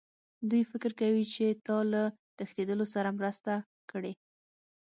دوی فکر کوي چې تا له تښتېدلو سره مرسته کړې